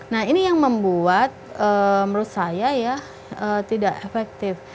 nah ini yang membuat menurut saya ya tidak efektif